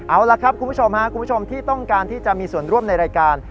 เอาล่ะครับคุณผู้ชมคุณผู้ชมที่ต้องการที่จะมีส่วนร่วมในรายการ